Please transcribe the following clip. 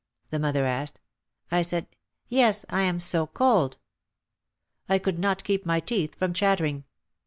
the mother asked. I said, "Yes, I am so cold." I could not keep my teeth from chattering.